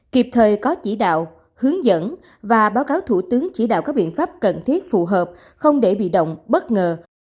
kịp thời có chỉ đạo hướng dẫn và báo cáo thủ tướng chỉ đạo các biện pháp cần thiết phù hợp không để bị động bất ngờ